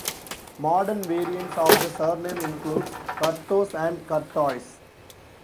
Modern variants of the surname include "Curthose" and "Curthoise".